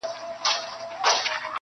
دنګه ونه لکه غروي هره تيږه یې منبر وي -